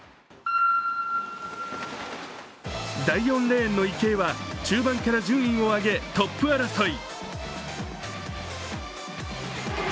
第４レーンの池江は中盤から順位を上げ、トップ争い。